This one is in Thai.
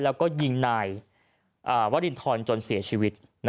แล้วก็ยิงนายวรินทรจนเสียชีวิต